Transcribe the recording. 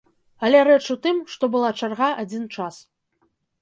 Але рэч у тым, што была чарга адзін час.